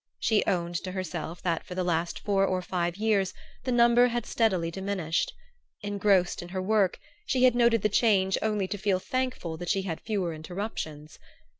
She owned to herself that for the last four or five years the number had steadily diminished. Engrossed in her work, she had noted the change only to feel thankful that she had fewer interruptions.